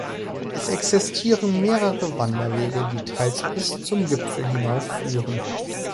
Es existieren mehrere Wanderwege, die teils bis zum Gipfel hinauf führen.